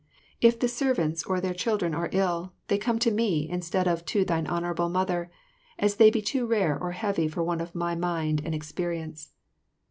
If the servants or their children are ill, they come to me instead of to thine Honourable Mother, as they be too rare or heavy for one of my mind and experience.